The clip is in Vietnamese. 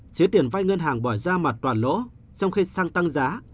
chứ tiền vai ngân hàng bỏ ra mặt toàn lỗ trong khi xăng tăng giá